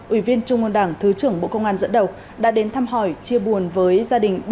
ủy viên trung ương đảng thứ trưởng bộ công an dẫn đầu đã đến thăm hỏi chia buồn với gia đình